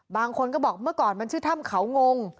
บางคนก็บอกเมื่อก่อนมันชื่อถ้ำเขางง